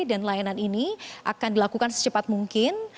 dan layanan ini akan dilakukan secepat mungkin